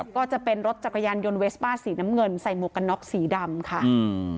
ก็จะเป็นรถจักรยานยนต์เวสป้าสีน้ำเงินใส่หมวกกันน็อกสีดำค่ะอืม